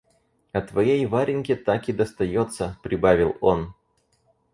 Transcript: А твоей Вареньке таки достается, — прибавил он.